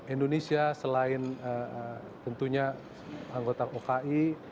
indonesia selain tentunya anggota oki